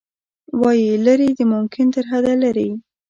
وايي، لیرې د ممکن ترحده لیرې